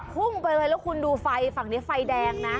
พุ่งไปเลยแล้วคุณดูไฟฝั่งนี้ไฟแดงนะ